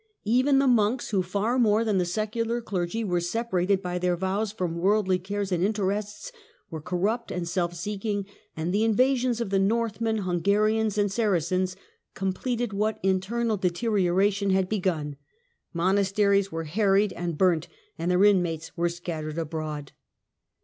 Even the monks, who, far more than the ecular clergy, were separated by their vows from worldly cares and interests, were corrupt and self seeking, and the invasions of the Northmen, Hungarians and aracens completed what internal deterioration had begun. Monasteries were harried and burnt, and their inmates were scattered abroad.